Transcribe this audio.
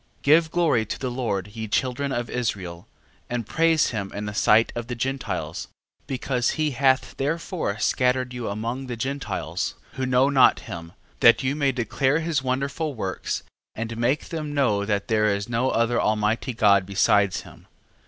13:3. Give glory to the Lord, ye children of Israel, and praise him in the sight of the Gentiles: 13:4. Because he hath therefore scattered you among the Gentiles, who know not him, that you may declare his wonderful works, and make them know that there is no other almighty God besides him.